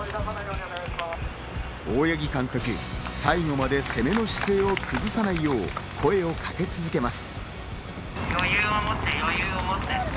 大八木監督、最後まで攻めの姿勢を崩さないよう声をかけ続けます。